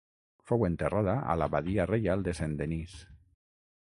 Fou enterrada a l'abadia reial de Saint-Denis.